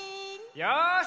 よし！